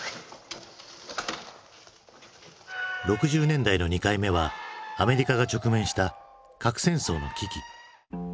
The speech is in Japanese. ６０年代の２回目はアメリカが直面した核戦争の危機。